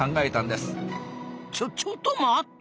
ちょちょっと待った！